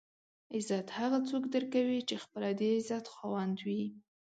عزت هغه څوک درکوي چې خپله د عزت خاوند وي.